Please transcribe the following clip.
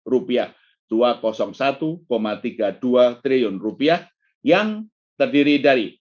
rp dua ratus satu tiga puluh dua triliun yang terdiri dari